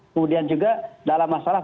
kemudian juga dalam masalah